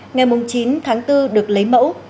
ngày chín tháng bốn được lấy mẫu